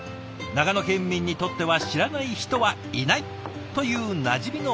長野県民にとっては知らない人はいないというなじみのおかずだそう。